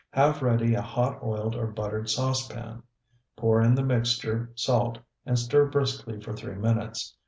Have ready a hot oiled or buttered saucepan; pour in the mixture, salt, and stir briskly for three minutes.